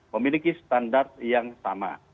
memiliki standar yang sama